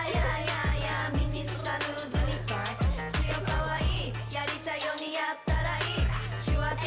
・かわいい！